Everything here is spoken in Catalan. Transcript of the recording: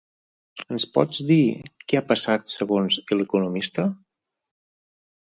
Ens pots dir què ha passat segons "El Economista"?